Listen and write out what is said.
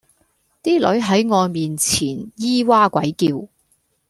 啲女喺我面前咿哇鬼叫